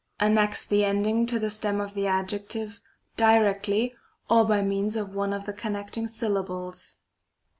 69 11. Annex the ending to the stem of the adjective, directly, or by means of one of the connecting syllar bles.